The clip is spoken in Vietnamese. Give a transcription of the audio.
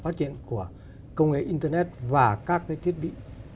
phát triển của công nghệ internet và các thiết bị